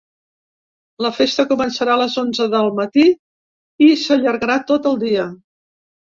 La festa començarà a les onze del matí i s’allargarà tot el dia.